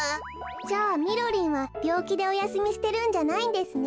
じゃあみろりんはびょうきでおやすみしてるんじゃないんですね。